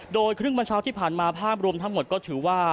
โดยครึ่งวันเช้าที่ผ่านมาภาพรวมทั้งหมดก็ถือว่า